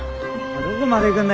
どこまで行くんだよ？